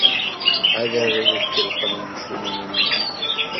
Ḥader ad k-kellxen yimcumen-nni!